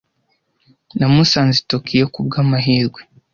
Namusanze i Tokiyo kubwamahirwe.